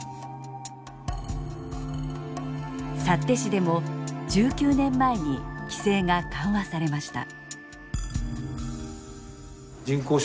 幸手市でも１９年前に規制が緩和されました。